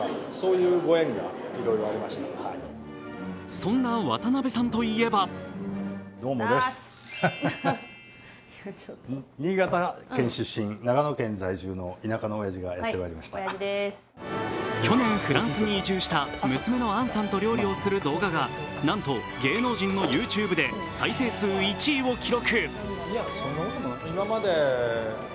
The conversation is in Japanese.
そんな渡辺さんといえば去年、フランスに移住した娘の杏さんと料理をする動画がなんと芸能人のＹｏｕＴｕｂｅで再生数１位を記録。